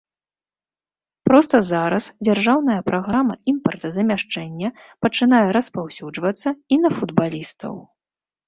Проста зараз дзяржаўная праграма імпартазамяшчэння пачынае распаўсюджвацца і на футбалістаў.